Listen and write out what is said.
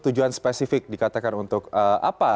tujuan spesifik dikatakan untuk apa